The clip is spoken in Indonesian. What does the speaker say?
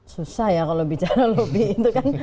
susah ya kalau bicara lobby